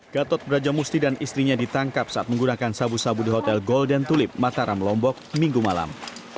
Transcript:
gatot brajamusti dan istrinya ditangkap saat menggunakan sabu sabu di hotel golden tulip mataram lombok minggu malam